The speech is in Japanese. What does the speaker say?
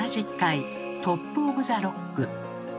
「トップ・オブ・ザ・ロック」。